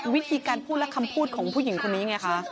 วิธีการพูดและคำพูดของผู้หญิงคนนี้ไงคะ